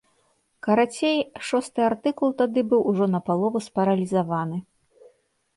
Карацей, шосты артыкул тады быў ўжо напалову спаралізаваны.